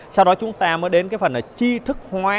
sau đó chúng ta mới đến phần chi thức hóa